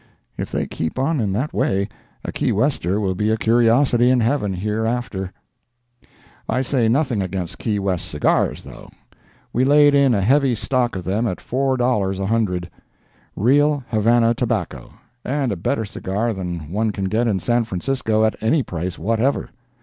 If they keep on in that way, a Key Wester will be a curiosity in Heaven here after. I say nothing against Key West cigars, though. We laid in a heavy stock of them at four dollars a hundred—real Havana tobacco, and a better cigar than one can get in San Francisco at any price whatever.